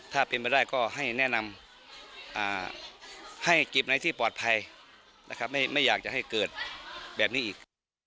ถ้าเป็นไปได้ก็ให้แนะนำให้เก็บในที่ปลอดภัยนะครับไม่อยากจะให้เกิดแบบนี้อีก